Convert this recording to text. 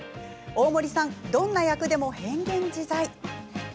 大森さんどんな役でも変幻自在。